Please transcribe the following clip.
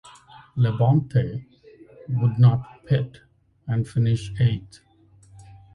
Labonte would not pit and finish eighth.